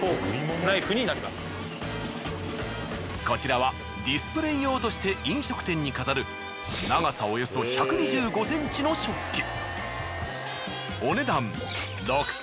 こちらはディスプレー用として飲食店に飾る長さおよそ１２５ｃｍの食器。